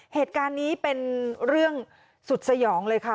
เหตุการณ์นี้เป็นเรื่องสุดสยองเลยค่ะ